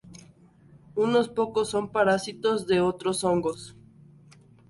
Unos pocos son parásitos de otros hongos.